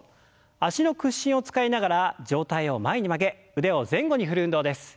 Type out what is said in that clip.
脚の屈伸を使いながら上体を前に曲げ腕を前後に振る運動です。